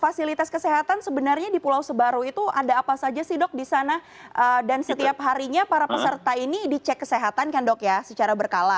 fasilitas kesehatan sebenarnya di pulau sebaru itu ada apa saja sih dok di sana dan setiap harinya para peserta ini dicek kesehatan kan dok ya secara berkala